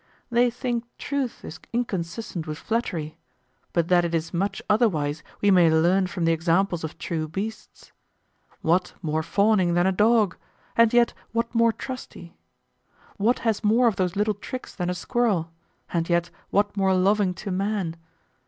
They think truth is inconsistent with flattery, but that it is much otherwise we may learn from the examples of true beasts. What more fawning than a dog? And yet what more trusty? What has more of those little tricks than a squirrel? And yet what more loving to man?